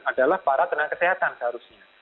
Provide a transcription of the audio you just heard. adalah para tenaga kesehatan seharusnya